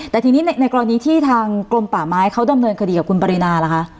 แต่ทีนี้ในกรณีที่ทางกรมป่าไม้เขาดำเนินคดีกับคุณปรินาล่ะคะ